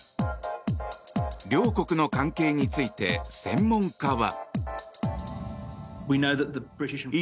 両国の関係について専門家は。